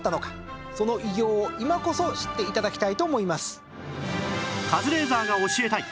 その偉業を今こそ知って頂きたいと思います。